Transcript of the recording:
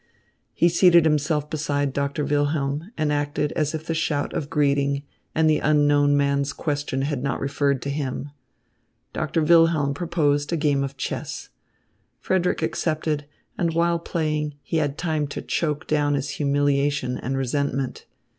He seated himself beside Doctor Wilhelm and acted as if the shout of greeting and the unknown man's question had not referred to him. Doctor Wilhelm proposed a game of chess. Frederick accepted, and while playing, he had time to choke down his humiliation and resentment.